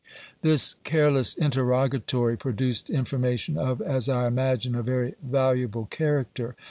This careless interrogatory produced information of, as I imagine, a very valuable character.